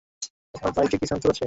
তোমার বাইকে কি সেন্সর আছে?